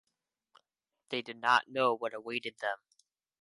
They did not know what awaited them.